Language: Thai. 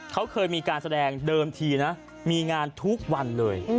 เขาเคยมีการแสดงเดิมทีนะมีงานทุกวันเลย